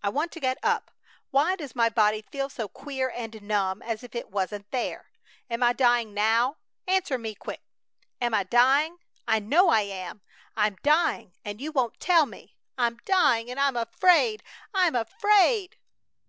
I want to get up! Why does my body feel so queer and numb, as if it wasn't there? Am I dying now? Answer me quick! Am I dying? I know I am. I'm dying and you won't tell me! I'm dying and I'm afraid! I'M AFRAID!"